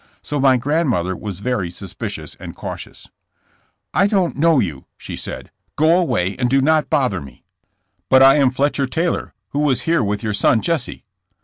So my grandmother was very suspicious and cautious. *'I don't know you," she said. *'Go away and do not bother me.'* OUTLAWED AND HUNTED. 83 ^'But I am Fletcher Taylor, who was here with your son Jesse."